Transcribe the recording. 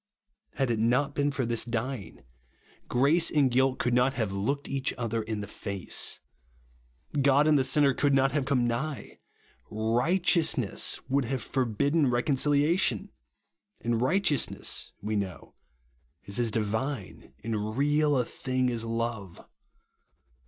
Had it not been for tliis dying, grace 48 RIGHTEOUS GRACE. and guilt could not have looked each other in the face ; God and the sinner could not have come nigh ; righteousness would have forbidden reconciliation ; and righteousness, we know, is as divine and real a thing as love.